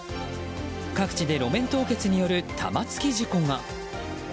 各地で路面凍結による玉突き事故が。